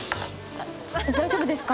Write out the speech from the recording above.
大丈夫ですか？